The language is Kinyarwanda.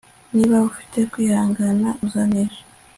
niba ufite kwihangana uzanesha